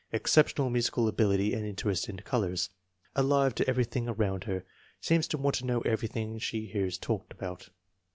Exceptional musical ability and interest in colors. Alive to every thing around her. Seems to want to know everything she hears talked about.